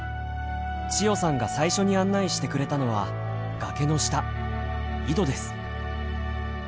千代さんが最初に案内してくれたのは崖の下井戸です。